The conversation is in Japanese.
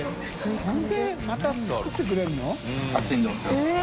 曚鵑また作ってくれるの？店主）